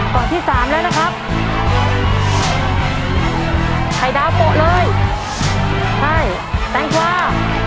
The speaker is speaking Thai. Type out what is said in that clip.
กล่องที่สามแล้วนะครับไข่ดาวโปะเลยใช่แตงกวา